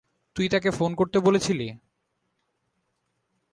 তুই তাকে ফোন করতে বলেছিলি?